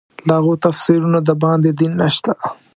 له هغو تفسیرونو د باندې دین نشته.